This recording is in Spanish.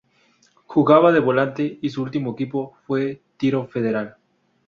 Jugaba de volante y su último equipo fue Tiro Federal